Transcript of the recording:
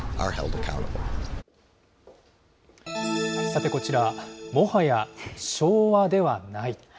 さてこちら、もはや昭和ではない。